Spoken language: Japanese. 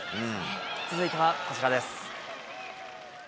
続いてはこちらです。